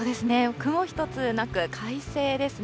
雲一つなく、快晴ですね。